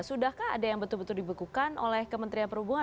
sudahkah ada yang betul betul dibekukan oleh kementerian perhubungan